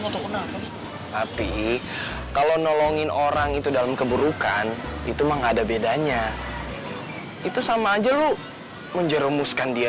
tapi kalau nolongin orang itu dalam keburukan itu mengada bedanya itu sama aja lu menjerumuskan dia